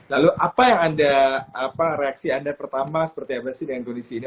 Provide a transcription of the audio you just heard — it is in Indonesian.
lalu apa yang anda reaksi anda pertama seperti apa sih dengan kondisi ini